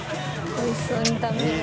おいしそうに食べる。